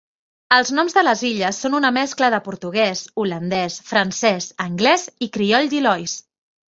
Els noms de les illes són una mescla de portuguès, holandès, francès, anglès i crioll d'Ilois.